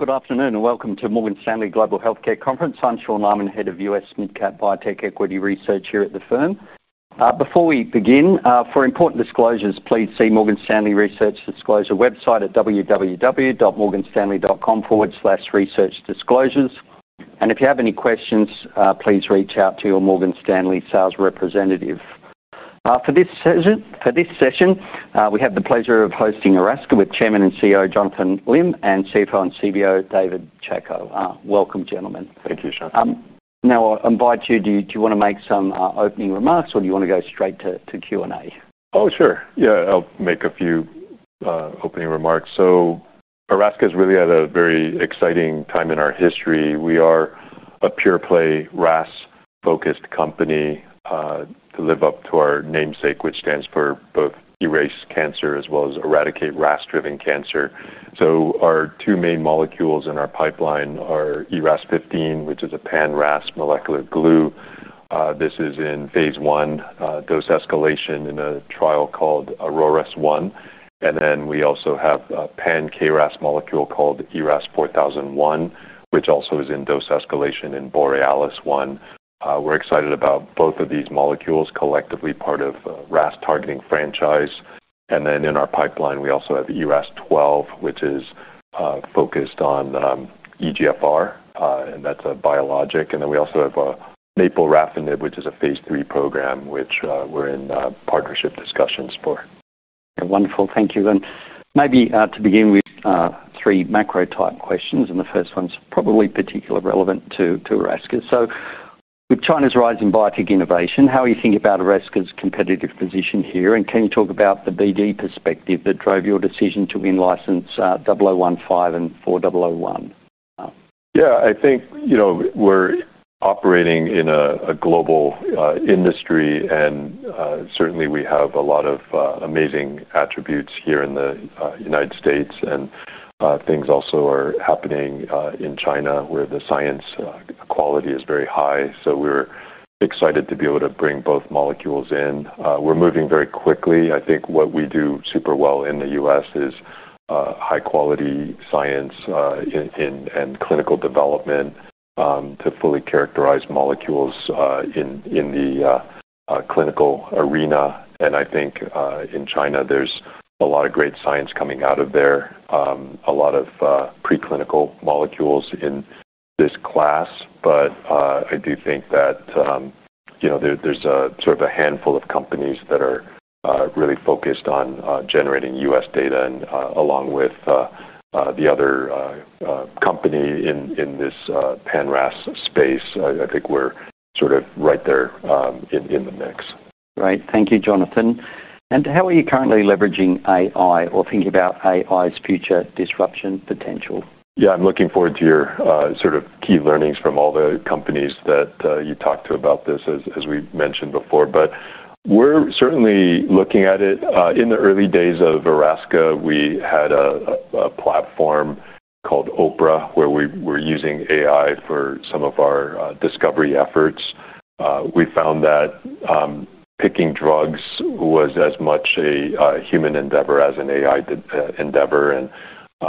Good afternoon and welcome to the Morgan Stanley Global Healthcare Conference. I'm Sean Lyman, Head of U.S. Mid-Cap Biotech Equity Research here at the firm. Before we begin, for important disclosures, please see the Morgan Stanley Research Disclosure website at www.morganstanley.com/researchdisclosures. If you have any questions, please reach out to your Morgan Stanley sales representative. For this session, we have the pleasure of hosting Erasca with Chairman and CEO Jonathan E. Lim and CFO and CBO David Tchekhov. Welcome, gentlemen. Thank you, Sean. Now I invite you, do you want to make some opening remarks, or do you want to go straight to Q&A? Oh, sure. Yeah, I'll make a few opening remarks. Erasca is really at a very exciting time in our history. We are a pure-play RAS-focused company to live up to our namesake, which stands for both erase cancer as well as eradicate RAS-driven cancer. Our two main molecules in our pipeline are ERAS-0015, which is a pan-RAS molecular glue. This is in phase one dose escalation in a trial called Auroras1. We also have a pan-KRAS molecule called ERAS-4001, which also is in dose escalation in Borealis1. We're excited about both of these molecules, collectively part of the RAS targeting franchise. In our pipeline, we also have ERAS-012, which is focused on EGFR, and that's a biologic. We also have naporafenib, which is a phase three program, which we're in partnership discussions for. Wonderful, thank you. Maybe to begin with three macro type questions, the first one's probably particularly relevant to Erasca. With China's rising biotech innovation, how do you think about Erasca's competitive position here? Can you talk about the BD perspective that drove your decision to in-license 0015 and 4001? Yeah, I think we're operating in a global industry, and certainly we have a lot of amazing attributes here in the U.S. Things also are happening in China where the science quality is very high. We're excited to be able to bring both molecules in. We're moving very quickly. I think what we do super well in the U.S. is high-quality science and clinical development to fully characterize molecules in the clinical arena. I think in China, there's a lot of great science coming out of there, a lot of preclinical molecules in this class. I do think that there's a sort of a handful of companies that are really focused on generating U.S. data, and along with the other company in this pan-RAS space, I think we're sort of right there in the mix. Great, thank you, Jonathan. How are you currently leveraging AI or thinking about AI's future disruption potential? Yeah, I'm looking forward to your sort of key learnings from all the companies that you talked to about this, as we mentioned before. We're certainly looking at it. In the early days of Erasca, we had a platform called Oprah, where we were using AI for some of our discovery efforts. We found that picking drugs was as much a human endeavor as an AI endeavor,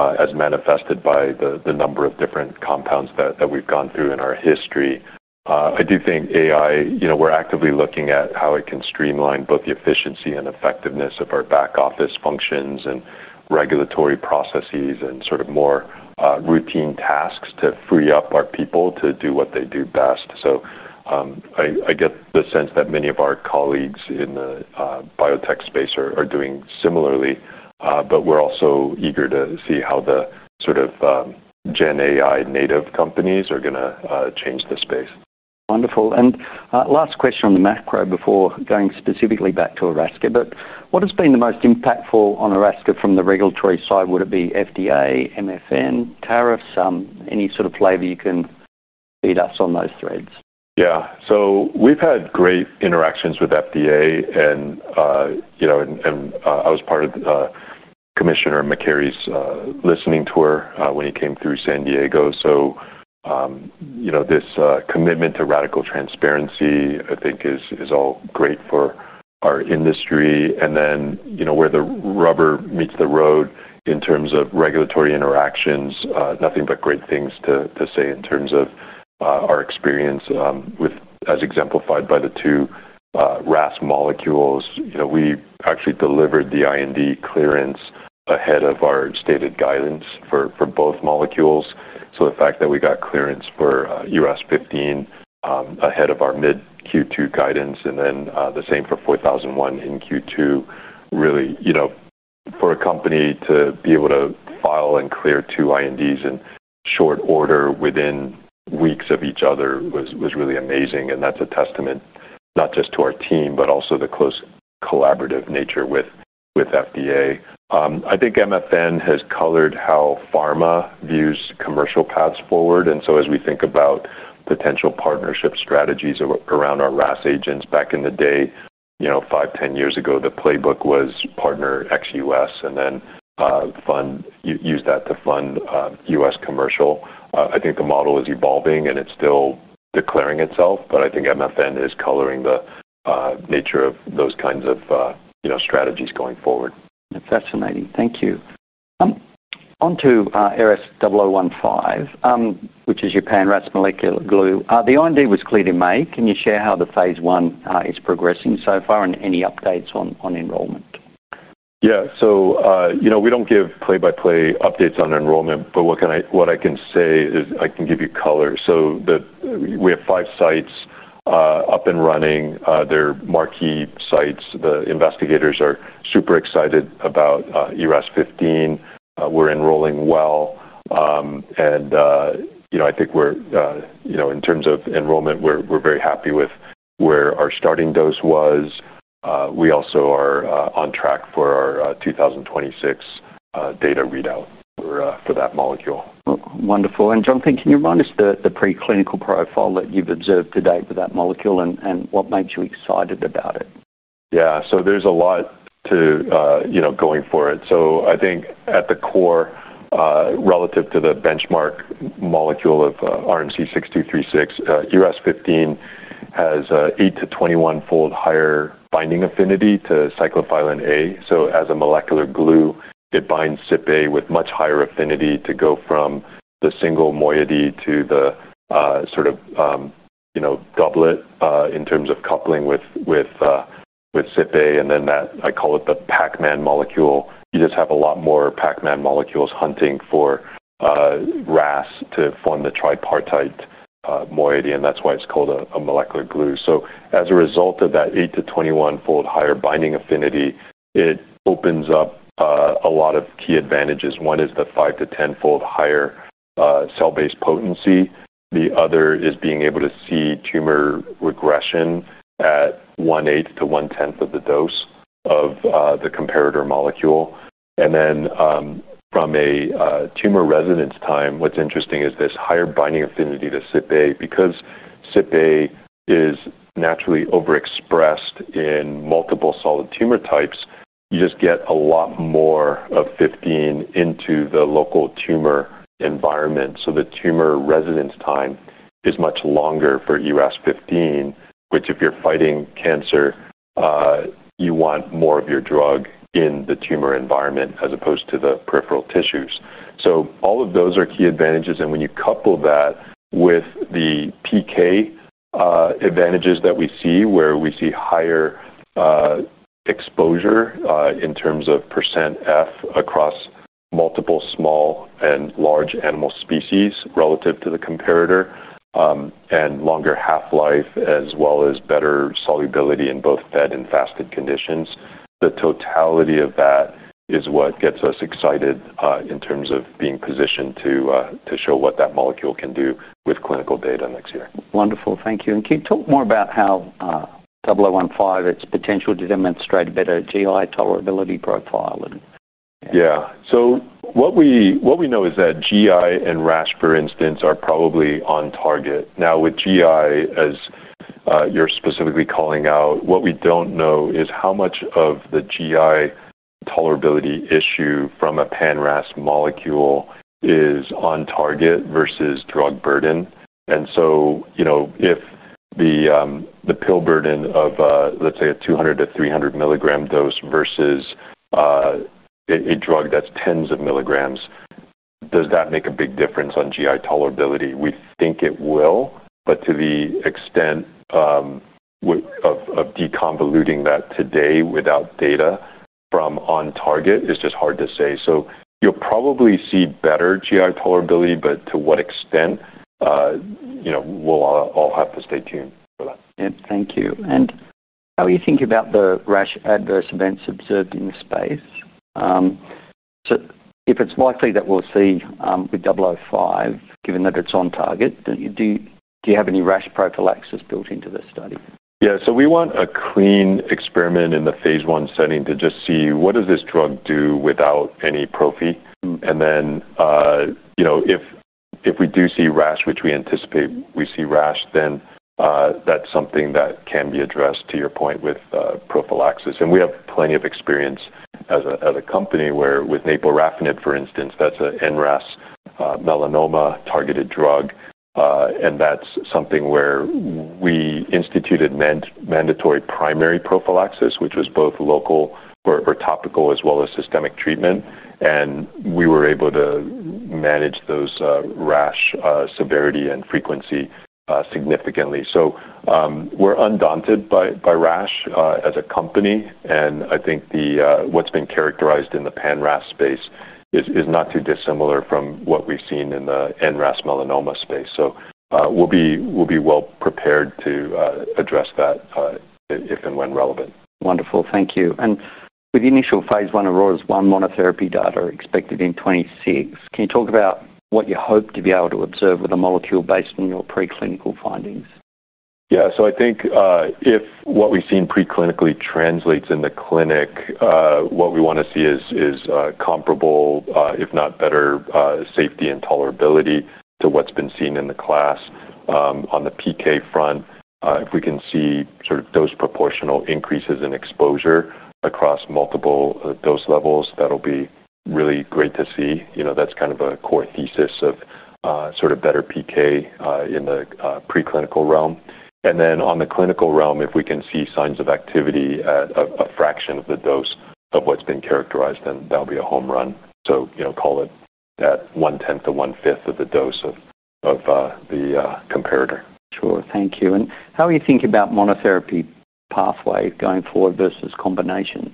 as manifested by the number of different compounds that we've gone through in our history. I do think AI, you know, we're actively looking at how it can streamline both the efficiency and effectiveness of our back office functions and regulatory processes and sort of more routine tasks to free up our people to do what they do best. I get the sense that many of our colleagues in the biotech space are doing similarly, but we're also eager to see how the sort of GenAI native companies are going to change the space. Wonderful. Last question on the macro before going specifically back to Erasca, what has been the most impactful on Erasca from the regulatory side? Would it be FDA, MFN, tariffs, any sort of flavor you can feed us on those threads? Yeah, so we've had great interactions with FDA, and I was part of the Commissioner McCarry's listening tour when he came through San Diego. This commitment to radical transparency, I think, is all great for our industry. Where the rubber meets the road in terms of regulatory interactions, nothing but great things to say in terms of our experience with, as exemplified by the two RAS molecules. We actually delivered the IND clearance ahead of our stated guidance for both molecules. The fact that we got clearance for ERAS-0015 ahead of our mid-Q2 guidance, and then the same for ERAS-4001 in Q2, really, for a company to be able to file and clear two INDs in short order within weeks of each other was really amazing. That's a testament not just to our team, but also the close collaborative nature with FDA. I think MFN has colored how pharma views commercial paths forward. As we think about potential partnership strategies around our RAS agents back in the day, five, ten years ago, the playbook was partner ex-US, and then use that to fund US commercial. I think the model is evolving and it's still declaring itself, but I think MFN is coloring the nature of those kinds of strategies going forward. Fascinating, thank you. Onto ERAS-0015, which is your pan-RAS molecular glue. The IND was cleared in May. Can you share how the phase one is progressing so far and any updates on enrollment? Yeah, we don't give play-by-play updates on enrollment, but what I can say is I can give you color. We have five sites up and running. They're marquee sites. The investigators are super excited about ERAS-0015. We're enrolling well. I think we're, in terms of enrollment, very happy with where our starting dose was. We also are on track for our 2026 data readout for that molecule. Wonderful. Jonathan, can you run us the preclinical profile that you've observed to date with that molecule and what makes you excited about it? Yeah, so there's a lot to, you know, going for it. I think at the core, relative to the benchmark molecule of RMC6236, ERAS-0015 has an 8 to 21-fold higher binding affinity to cyclophilin A. As a molecular glue, it binds CYP-A with much higher affinity to go from the single moiety to the sort of, you know, goblet in terms of coupling with CYP-A. I call it the Pacman molecule. You just have a lot more Pacman molecules hunting for RAS to form the tripartite moiety, and that's why it's called a molecular glue. As a result of that 8 to 21-fold higher binding affinity, it opens up a lot of key advantages. One is the 5 to 10-fold higher cell-based potency. The other is being able to see tumor regression at one-eighth to one-tenth of the dose of the comparator molecule. From a tumor residence time, what's interesting is this higher binding affinity to CYP-A. Because CYP-A is naturally overexpressed in multiple solid tumor types, you just get a lot more of 15 into the local tumor environment. The tumor residence time is much longer for ERAS-0015, which if you're fighting cancer, you want more of your drug in the tumor environment as opposed to the peripheral tissues. All of those are key advantages. When you couple that with the PK advantages that we see, where we see higher exposure in terms of % F across multiple small and large animal species relative to the comparator, and longer half-life as well as better solubility in both fed and fasted conditions. The totality of that is what gets us excited in terms of being positioned to show what that molecule can do with clinical data next year. Wonderful, thank you. Can you talk more about how ERAS-0015, its potential to demonstrate a better GI tolerability profile? Yeah, so what we know is that GI and RAS, for instance, are probably on target. Now with GI, as you're specifically calling out, what we don't know is how much of the GI tolerability issue from a pan-RAS molecule is on target versus drug burden. If the pill burden of, let's say, a 200 to 300 milligram dose versus a drug that's tens of milligrams, does that make a big difference on GI tolerability? We think it will, but to the extent of deconvoluting that today without data from on target, it's just hard to say. You'll probably see better GI tolerability, but to what extent, we'll all have to stay tuned for that. Thank you. How are you thinking about the rash adverse events observed in the space? If it's likely that we'll see with ERAS-0015, given that it's on target, do you have any rash prophylaxis built into this study? Yeah, we want a clean experiment in the phase one setting to just see what does this drug do without any prophy. If we do see rash, which we anticipate we see rash, that's something that can be addressed to your point with prophylaxis. We have plenty of experience as a company where with naporafenib, for instance, that's an NRAS-mutant melanoma targeted drug. That's something where we instituted mandatory primary prophylaxis, which was both local or topical as well as systemic treatment. We were able to manage those rash severity and frequency significantly. We're undaunted by rash as a company. I think what's been characterized in the pan-RAS space is not too dissimilar from what we've seen in the NRAS-mutant melanoma space. We'll be well prepared to address that if and when relevant. Wonderful, thank you. With the initial Phase 1 Auroras1 monotherapy data expected in 2026, can you talk about what you hope to be able to observe with a molecule based on your preclinical findings? Yeah, so I think if what we've seen preclinically translates in the clinic, what we want to see is comparable, if not better, safety and tolerability to what's been seen in the class. On the PK front, if we can see sort of dose-proportional increases in exposure across multiple dose levels, that'll be really great to see. That's kind of a core thesis of sort of better PK in the preclinical realm. In the clinical realm, if we can see signs of activity at a fraction of the dose of what's been characterized, that'll be a home run. Call it that one-tenth to one-fifth of the dose of the comparator. Thank you. How are you thinking about monotherapy pathways going forward versus combinations?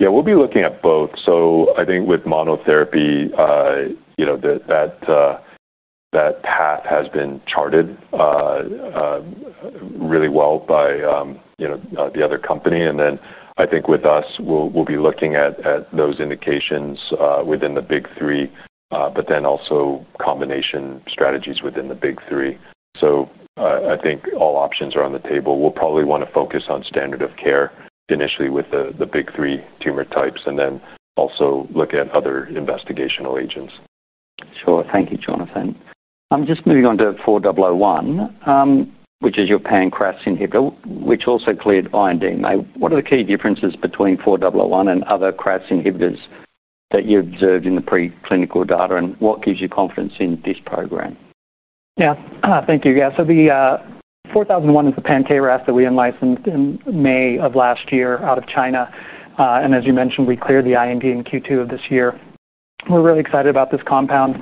Yeah, we'll be looking at both. I think with monotherapy, you know, that path has been charted really well by, you know, the other company. I think with us, we'll be looking at those indications within the big three, but also combination strategies within the big three. All options are on the table. We'll probably want to focus on standard of care initially with the big three tumor types and also look at other investigational agents. Sure, thank you, Jonathan. I'm just moving on to ERAS-4001, which is your pan-KRAS inhibitor, which also cleared IND. What are the key differences between ERAS-4001 and other KRAS inhibitors that you observed in the preclinical data, and what gives you confidence in this program? Yeah, thank you. Yeah, so the ERAS-4001 is the pan-KRAS that we enlightened in May of last year out of China. As you mentioned, we cleared the IND in Q2 of this year. We're really excited about this compound.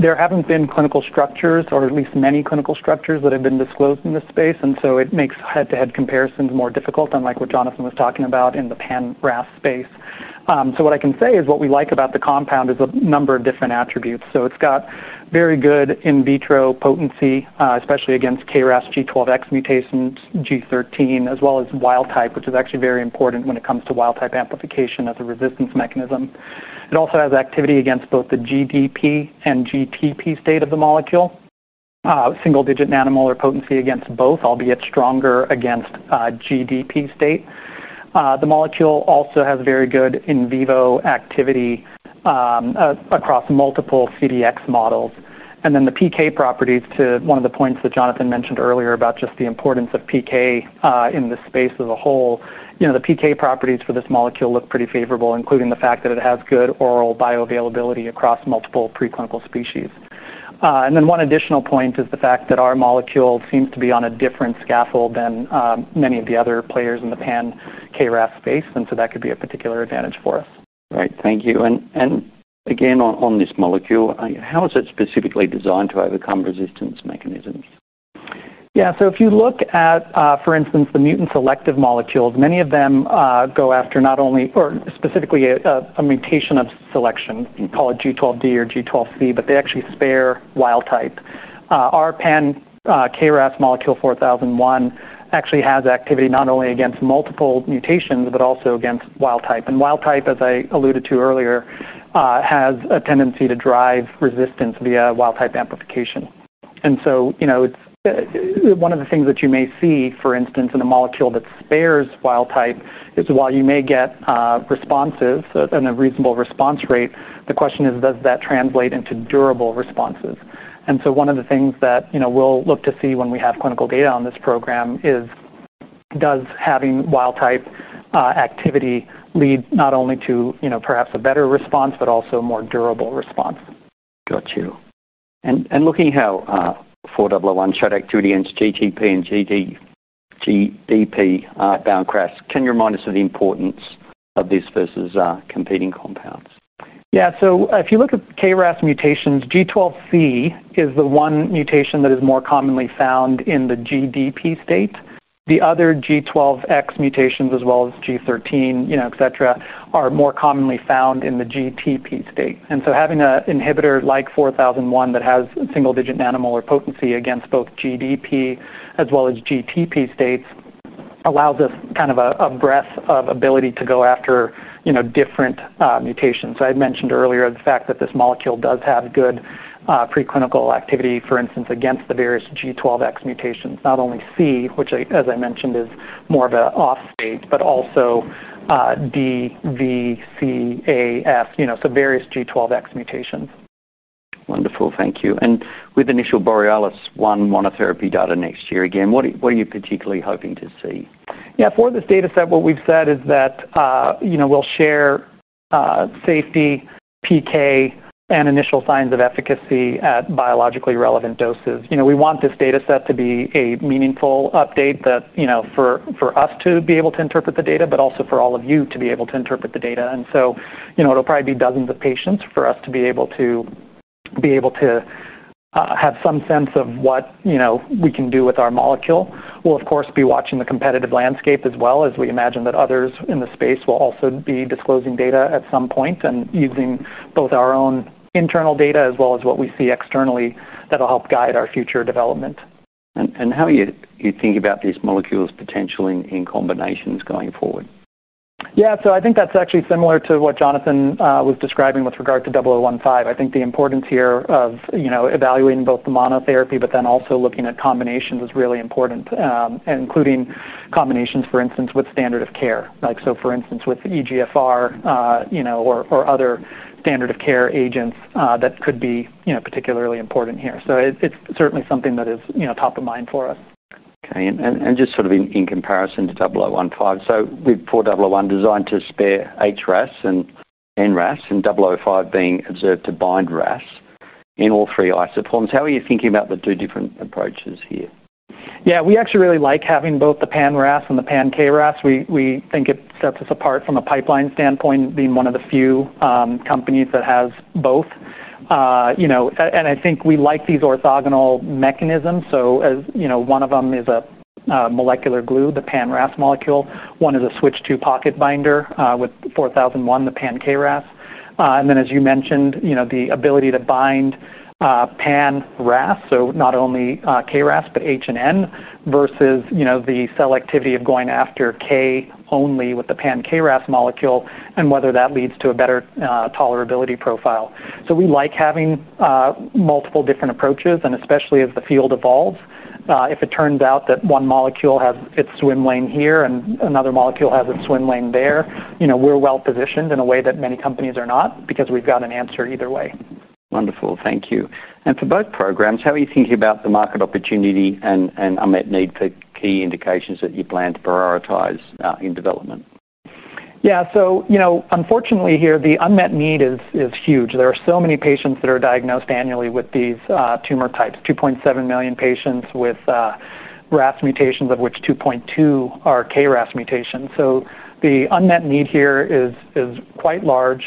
There haven't been clinical structures or at least many clinical structures that have been disclosed in this space. It makes head-to-head comparisons more difficult, unlike what Jonathan was talking about in the pan-RAS space. What I can say is what we like about the compound is a number of different attributes. It's got very good in vitro potency, especially against KRAS G12X mutations, G13, as well as wild type, which is actually very important when it comes to wild type amplification as a resistance mechanism. It also has activity against both the GDP and GTP state of the molecule. Single digit nanomolar potency against both, albeit stronger against GDP state. The molecule also has very good in vivo activity across multiple CDX models. The PK properties, to one of the points that Jonathan mentioned earlier about just the importance of PK in the space as a whole, you know, the PK properties for this molecule look pretty favorable, including the fact that it has good oral bioavailability across multiple preclinical species. One additional point is the fact that our molecule seems to be on a different scaffold than many of the other players in the pan-KRAS space. That could be a particular advantage for us. Great, thank you. On this molecule, how is it specifically designed to overcome resistance mechanisms? Yeah, so if you look at, for instance, the mutant selective molecules, many of them go after not only, or specifically a mutation of selection, call it G12D or G12C, but they actually spare wild type. Our pan-KRAS molecule ERAS-4001 actually has activity not only against multiple mutations, but also against wild type. Wild type, as I alluded to earlier, has a tendency to drive resistance via wild type amplification. It's one of the things that you may see, for instance, in a molecule that spares wild type is while you may get responses and a reasonable response rate, the question is, does that translate into durable responses? One of the things that we'll look to see when we have clinical data on this program is does having wild type activity lead not only to, you know, perhaps a better response, but also a more durable response. Got you. Looking at how ERAS-4001 shows activity against GTP- and GDP-bound KRAS, can you remind us of the importance of this versus competing compounds? Yeah, so if you look at KRAS mutations, G12C is the one mutation that is more commonly found in the GDP state. The other G12X mutations, as well as G13, are more commonly found in the GTP state. Having an inhibitor like ERAS-4001 that has single-digit nanomolar potency against both GDP as well as GTP states allows us a breadth of ability to go after different mutations. I had mentioned earlier the fact that this molecule does have good preclinical activity, for instance, against the various G12X mutations, not only C, which, as I mentioned, is more of an off state, but also D, V, C, A, S, so various G12X mutations. Wonderful, thank you. With initial Borealis1 monotherapy data next year, what are you particularly hoping to see? For this data set, what we've said is that we'll share safety, PK, and initial signs of efficacy at biologically relevant doses. We want this data set to be a meaningful update that, for us to be able to interpret the data, but also for all of you to be able to interpret the data. It'll probably be dozens of patients for us to be able to have some sense of what we can do with our molecule. We'll, of course, be watching the competitive landscape as we imagine that others in the space will also be disclosing data at some point and using both our own internal data as well as what we see externally. That'll help guide our future development. How are you thinking about these molecules potentially in combinations going forward? I think that's actually similar to what Jonathan was describing with regard to ERAS-0015. I think the importance here of evaluating both the monotherapy, but then also looking at combinations is really important, including combinations, for instance, with standard of care. For instance, with EGFR or other standard of care agents that could be particularly important here. It's certainly something that is top of mind for us. Okay, and just in comparison to ERAS-0015, with ERAS-4001 designed to spare HRAS and NRAS, and ERAS-0015 being observed to bind RAS in all three isoforms, how are you thinking about the two different approaches here? Yeah, we actually really like having both the pan-RAS and the pan-KRAS. We think it sets us apart from a pipeline standpoint, being one of the few companies that has both. I think we like these orthogonal mechanisms. As you know, one of them is a molecular glue, the pan-RAS molecule. One is a switch II pocket binder with ERAS-4001, the pan-KRAS. As you mentioned, the ability to bind pan-RAS, so not only KRAS, but H and N versus the cell activity of going after K only with the pan-KRAS molecule and whether that leads to a better tolerability profile. We like having multiple different approaches, and especially as the field evolves, if it turns out that one molecule has its swim lane here and another molecule has its swim lane there, we're well positioned in a way that many companies are not because we've got an answer either way. Thank you. For both programs, how are you thinking about the market opportunity and unmet need for key indications that you plan to prioritize in development? Yeah, unfortunately here, the unmet need is huge. There are so many patients that are diagnosed annually with these tumor types, 2.7 million patients with RAS mutations, of which 2.2 million are KRAS mutations. The unmet need here is quite large.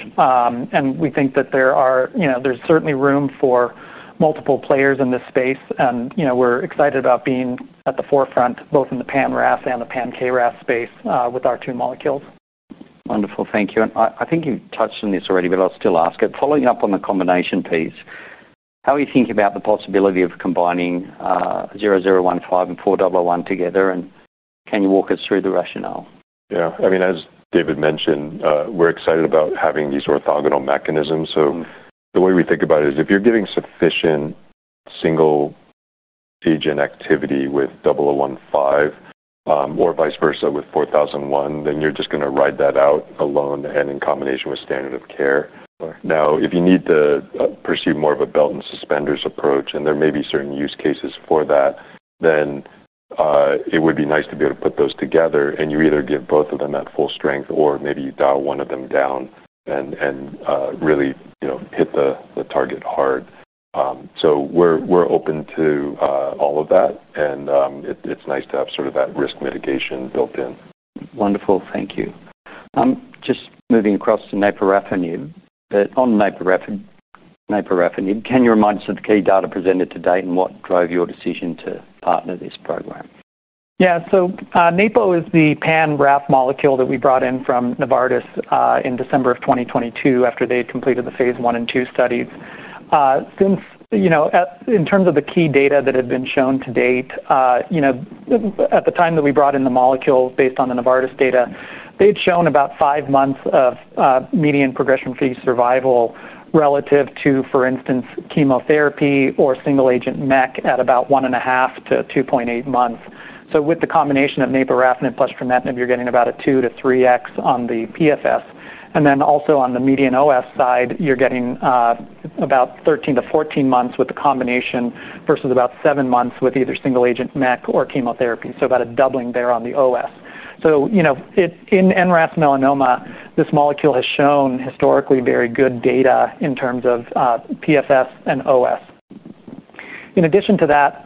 We think that there is certainly room for multiple players in this space. We're excited about being at the forefront both in the pan-RAS and the pan-KRAS space with our two molecules. Wonderful, thank you. I think you've touched on this already, but I'll still ask it. Following up on the combination piece, how are you thinking about the possibility of combining ERAS-0015 and ERAS-4001 together? Can you walk us through the rationale? Yeah, I mean, as David mentioned, we're excited about having these orthogonal mechanisms. The way we think about it is if you're giving sufficient single agent activity with ERAS-0015 or vice versa with ERAS-4001, then you're just going to ride that out alone and in combination with standard of care. If you need to pursue more of a belt and suspenders approach, and there may be certain use cases for that, then it would be nice to be able to put those together. You either give both of them at full strength or maybe you dial one of them down and really, you know, hit the target hard. We're open to all of that. It's nice to have sort of that risk mitigation built in. Wonderful, thank you. I'm just moving across to naporafenib. Can you remind us of the key data presented to date and what drove your decision to partner this program? Yeah, so naporafenib is the pan-RAF molecule that we brought in from Novartis in December of 2022 after they'd completed the phase one and two studies. In terms of the key data that had been shown to date, at the time that we brought in the molecule based on the Novartis data, they'd shown about five months of median progression-free survival relative to, for instance, chemotherapy or single-agent MEK at about 1.5 to 2.8 months. With the combination of naporafenib plus trametinib, you're getting about a 2 to 3x on the PFS. Also, on the median OS side, you're getting about 13 to 14 months with the combination versus about seven months with either single-agent MEK or chemotherapy, so about a doubling there on the OS. In NRAS-mutant melanoma, this molecule has shown historically very good data in terms of PFS and OS. In addition to that,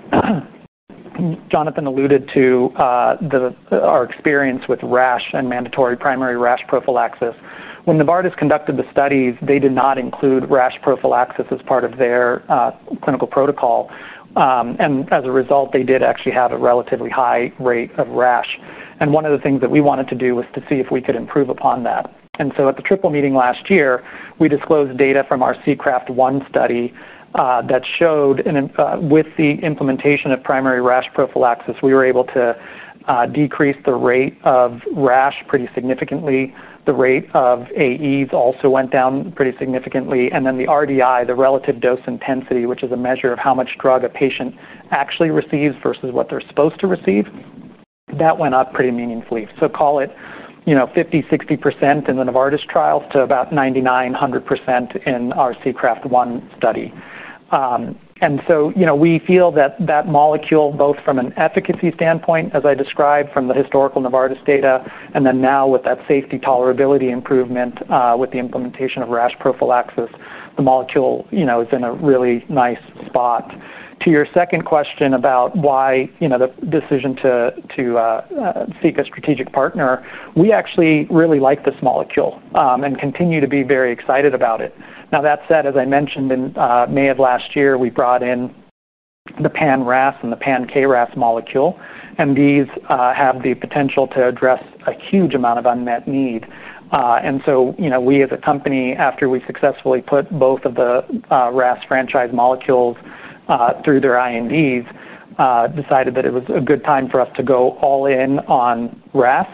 Jonathan alluded to our experience with rash and mandatory primary rash prophylaxis. When Novartis conducted the studies, they did not include rash prophylaxis as part of their clinical protocol, and as a result, they did actually have a relatively high rate of rash. One of the things that we wanted to do was to see if we could improve upon that. At the triple meeting last year, we disclosed data from our CCRAFT-1 study that showed with the implementation of primary rash prophylaxis, we were able to decrease the rate of rash pretty significantly. The rate of AEs also went down pretty significantly, and then the RDI, the relative dose intensity, which is a measure of how much drug a patient actually receives versus what they're supposed to receive, that went up pretty meaningfully. Call it 50-60% in the Novartis trials to about 99-100% in our CCRAFT-1 study. We feel that that molecule, both from an efficacy standpoint as I described from the historical Novartis data, and now with that safety tolerability improvement with the implementation of rash prophylaxis, the molecule is in a really nice spot. To your second question about why the decision to seek a strategic partner, we actually really like this molecule and continue to be very excited about it. That said, as I mentioned in May of last year, we brought in the pan-RAS and the pan-KRAS molecule, and these have the potential to address a huge amount of unmet need. We as a company, after we successfully put both of the RAS franchise molecules through their INDs, decided that it was a good time for us to go all in on RAS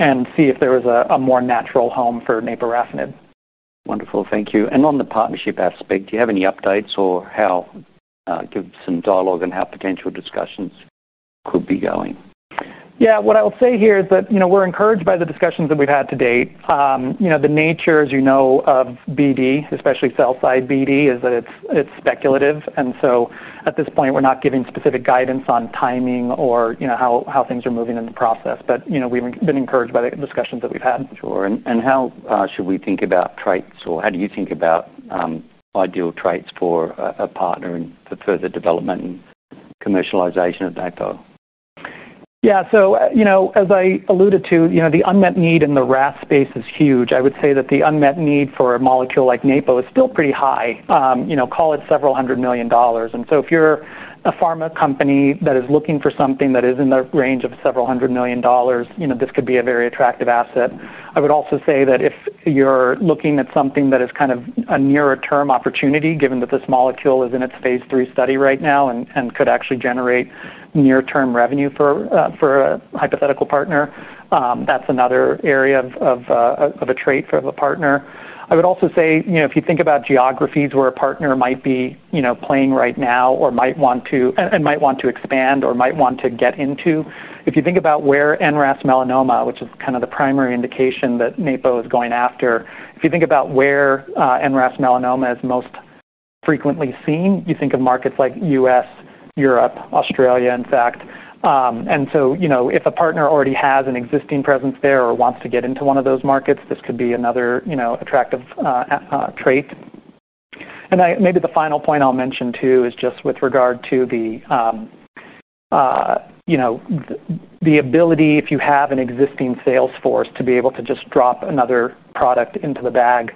and see if there was a more natural home for naporafenib. Wonderful, thank you. On the partnership aspect, do you have any updates or could you give some dialogue on how potential discussions could be going? What I would say here is that, you know, we're encouraged by the discussions that we've had to date. The nature, as you know, of BD, especially cell-side BD, is that it's speculative. At this point, we're not giving specific guidance on timing or, you know, how things are moving in the process. We've been encouraged by the discussions that we've had. How should we think about traits? How do you think about ideal traits for a partner and for further development and commercialization of naporafenib? Yeah, as I alluded to, the unmet need in the RAS space is huge. I would say that the unmet need for a molecule like naporafenib is still pretty high, call it several hundred million dollars. If you're a pharma company that is looking for something that is in the range of several hundred million dollars, this could be a very attractive asset. I would also say that if you're looking at something that is kind of a nearer term opportunity, given that this molecule is in its phase three study right now and could actually generate near-term revenue for a hypothetical partner, that's another area of a trait for a partner. If you think about geographies where a partner might be playing right now or might want to, and might want to expand or might want to get into, if you think about where NRAS-mutant melanoma, which is kind of the primary indication that naporafenib is going after, if you think about where NRAS-mutant melanoma is most frequently seen, you think of markets like US, Europe, Australia, in fact. If a partner already has an existing presence there or wants to get into one of those markets, this could be another attractive trait. Maybe the final point I'll mention too is just with regard to the ability, if you have an existing sales force, to be able to just drop another product into the bag,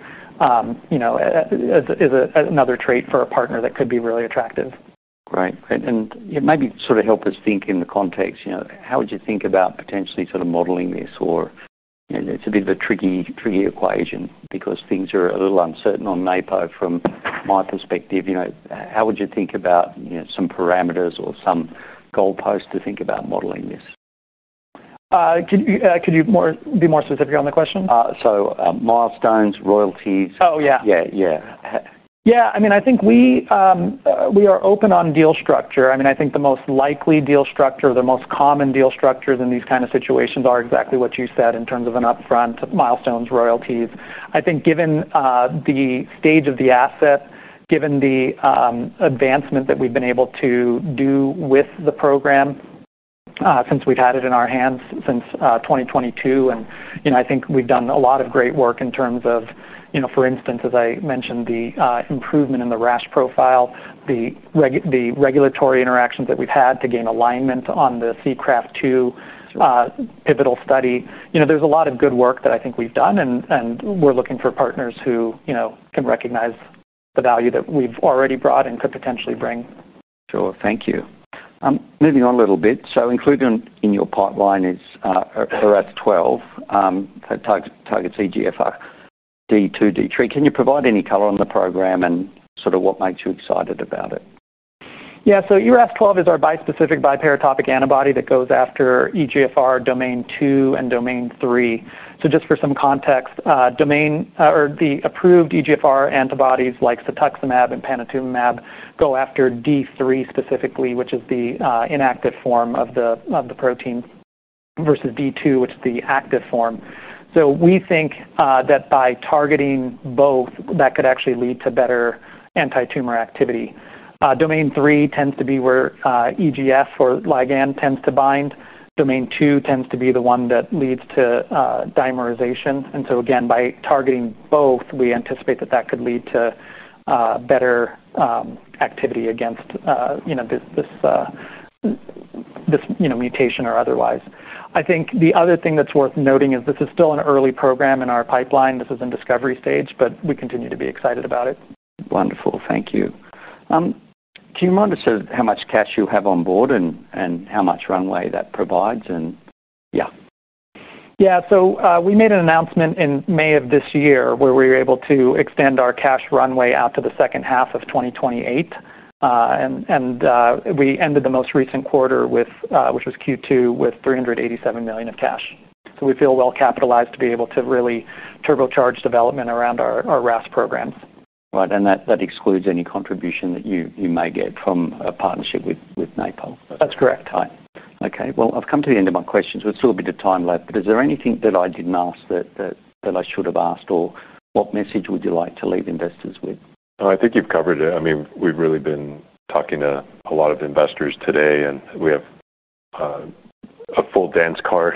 is another trait for a partner that could be really attractive. Great. It might help us think in the context, you know, how would you think about potentially modeling this? It's a bit of a tricky equation because things are a little uncertain on naporafenib from my perspective. How would you think about some parameters or some goalposts to think about modeling this? Could you be more specific on the question? Milestones, royalties. Oh, yeah. Yeah, yeah. Yeah, I mean, I think we are open on deal structure. I think the most likely deal structure, the most common deal structures in these kinds of situations are exactly what you said in terms of an upfront, milestones, royalties. I think given the stage of the asset, given the advancement that we've been able to do with the program since we've had it in our hands since 2022, I think we've done a lot of great work in terms of, for instance, as I mentioned, the improvement in the RASH profile, the regulatory interactions that we've had to gain alignment on the CCRAFT-2 pivotal study. There's a lot of good work that I think we've done and we're looking for partners who can recognize the value that we've already brought and could potentially bring. Sure, thank you. Moving on a little bit, included in your pipeline is ERAS-012 that targets EGFR domains 2 and 3. Can you provide any color on the program and sort of what makes you excited about it? Yeah, so ERAS-012 is our bispecific biparatopic antibody that goes after EGFR domain 2 and domain 3. Just for some context, the approved EGFR antibodies like cetuximab and panitumumab go after D3 specifically, which is the inactive form of the protein, versus D2, which is the active form. We think that by targeting both, that could actually lead to better antitumor activity. Domain 3 tends to be where EGF or ligand tends to bind. Domain 2 tends to be the one that leads to dimerization. By targeting both, we anticipate that that could lead to better activity against, you know, this, you know, mutation or otherwise. I think the other thing that's worth noting is this is still an early program in our pipeline. This is in discovery stage, but we continue to be excited about it. Wonderful, thank you. Can you remind us how much cash you have on board and how much runway that provides? Yeah, we made an announcement in May of this year where we were able to extend our cash runway out to the second half of 2028. We ended the most recent quarter, which was Q2, with $387 million of cash. We feel well capitalized to be able to really turbocharge development around our RAS programs. Right, and that excludes any contribution that you may get from a partnership with naporafenib. That's correct. Okay, I've come to the end of my questions. There's still a bit of time left, but is there anything that I didn't ask that I should have asked, or what message would you like to leave investors with? I think you've covered it. I mean, we've really been talking to a lot of investors today and we have a full dance card,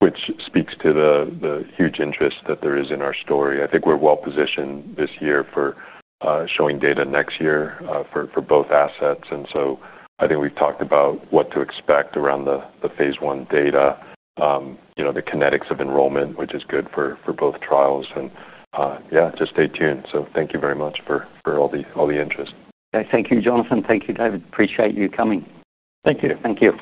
which speaks to the huge interest that there is in our story. I think we're well positioned this year for showing data next year for both assets. I think we've talked about what to expect around the phase 1 data, the kinetics of enrollment, which is good for both trials. Just stay tuned. Thank you very much for all the interest. Thank you, Jonathan. Thank you, David. Appreciate you coming. Thank you. Thank you.